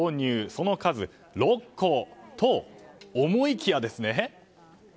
その数６個と、思いきやですね。